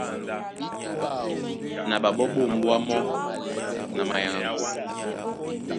Na ɓaɓɔ́ ɓá ombwá mɔ́ na mayaŋako.